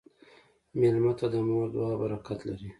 مېلمه ته د مور دعا برکت لري.